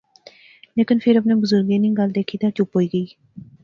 لیکن فیر اپنے بزرگیں نی گل دکھی تہ چپ ہوئی گئی